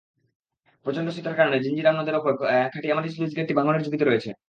প্রচণ্ড স্রোতের কারণে জিঞ্জিরাম নদের ওপর খাটিয়ামারী স্লুইসগেটটি ভাঙনের ঝুঁকিতে রয়েছে।